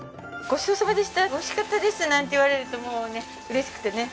「ごちそうさまでした美味しかったです」なんて言われるともうね嬉しくてね。